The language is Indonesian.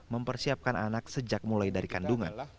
mempersiapkan anak sejak mulai dari kandungan